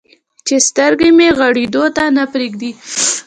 چې سترګې مې غړېدو ته نه پرېږدي.